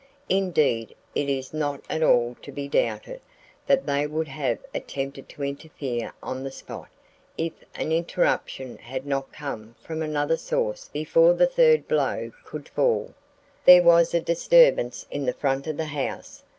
Indeed it is not at all to be doubted that they would have attempted to interfere on the spot if an interruption had not come from another source before the third blow could fall. There was a disturbance in the front of the house.